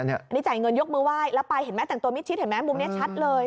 อันนี้จ่ายเงินยกมือไหว้แล้วไปเห็นไหมแต่งตัวมิดชิดเห็นไหมมุมนี้ชัดเลย